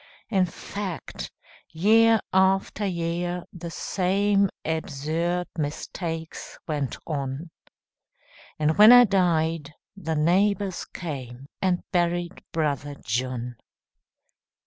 In fact, year after year the same Absurd mistakes went on, And when I died, the neighbors came And buried brother John.